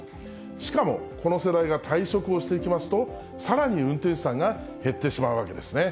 しかも、この世代が退職をしていきますと、さらに運転手さんが減ってしまうわけですね。